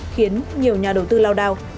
khiến nhiều nhà đầu tư lao đao